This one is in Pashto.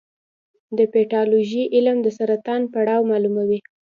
د پیتالوژي علم د سرطان پړاو معلوموي.